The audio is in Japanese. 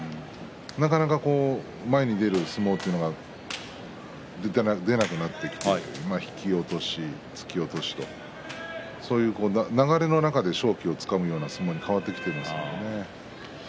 なかなか前に出る相撲というのが出なくなってきて引き落とし、突き落としとそういう流れの中で勝機をつかむような相撲に変わってきてますよね。